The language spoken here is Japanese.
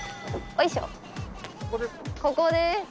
ここですか？